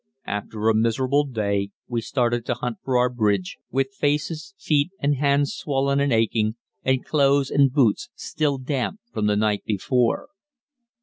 After a miserable day we started to hunt for our bridge, with faces, feet, and hands swollen and aching and clothes and boots still damp from the night before.